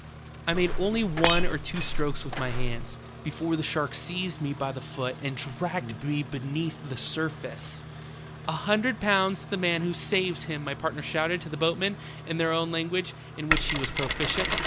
I made only one or two strokes with my hands, before the shark IN A shark's mouth. n seized me by the foot and dragged me beneath the surface. '"A hundred pounds to the man who saves him !' my partner shouted to the boatmen in their own language, in which he was proficient.